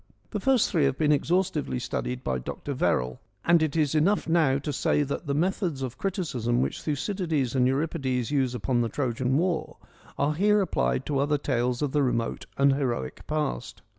The first three have been exhaustively studied by Dr. Verrall, and it is enough now to say that the methods of criticism which Thucydides and Euripides use upon the Trojan War, are here applied to other tales of the remote and heroic past.